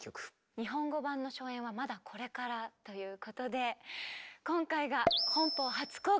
日本語版の初演はまだこれからということで今回が本邦初公開です。